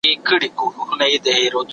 حلاله روزي د دعاګانو د قبلېدو شرط دی.